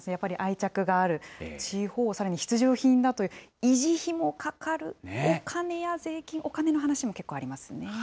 さまざまありますね、やっぱり愛着がある、地方、さらに必需品だという、維持費もかかる、お金や税金、お金の話も結構ありま